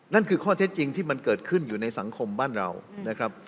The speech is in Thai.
นั่นคือข้อเท็จจริงที่มันเกิดขึ้นอยู่ในสังคมบ้านเรานะครับ